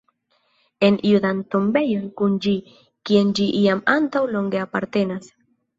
En judan tombejon kun ĝi, kien ĝi jam antaŭ longe apartenas.